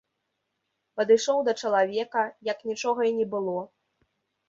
Пайшоў да чалавека, як нічога і не было.